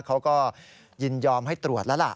เขาก็ยินยอมให้ตรวจแล้วล่ะ